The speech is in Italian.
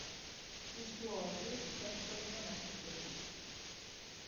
Il suo hobby è il sollevamento pesi.